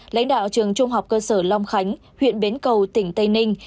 lãnh đạo trường trung học cơ sở long khánh huyện bến cầu tỉnh tây ninh